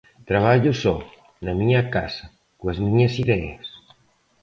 Traballo só, na miña casa, coas miñas ideas.